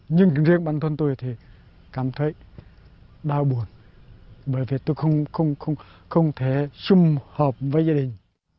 nhưng riêng bản thân tôi thì cảm thấy đau buồn bởi vì tôi không thể xung hợp với gia đình